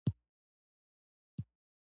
هغه خپل موټر په ګراج کې ساتي